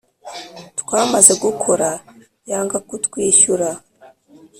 Twamaze gukora yanga kutwishyura